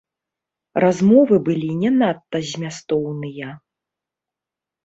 Размовы былі не надта змястоўныя.